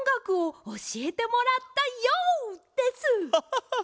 ハハハッ！